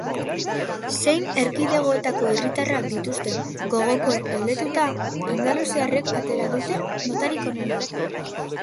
Zein erkidegoetako herritarrak dituzten gogokoen galdetuta, andaluziarrek atera dute notarik onena.